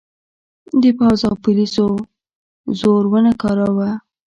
د پوځ او پولیسو زور ونه کاراوه.